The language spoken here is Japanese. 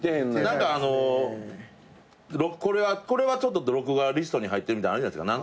何かあのこれは録画リストに入ってるみたいなのあるじゃないですか。